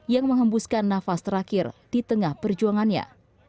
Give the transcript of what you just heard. yang menghembuskan nafas terakhir di tengah perjuangannya